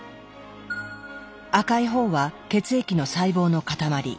赤い方は血液の細胞の塊。